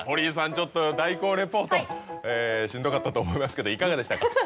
ちょっと代行リポートしんどかったと思いますけどいかがでしたか？